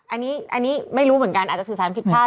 อันนี้ไม่รู้เหมือนกันอาจจะสื่อสารผิดพลาด